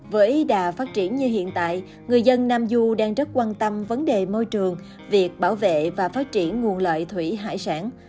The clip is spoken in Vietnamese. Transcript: với ý đà phát triển như hiện tại người dân nam du đang rất quan tâm vấn đề môi trường việc bảo vệ và phát triển nguồn lợi thủy hải sản